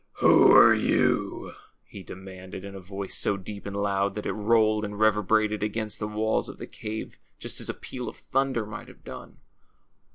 ^ Who are you ?' he demanded, in a voice so deep and loud that it rolled and reverberated against the walls of the cave just as a peal of thunder might have done.